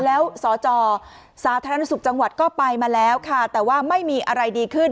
แล้วสจสาธารณสุขจังหวัดก็ไปมาแล้วค่ะแต่ว่าไม่มีอะไรดีขึ้น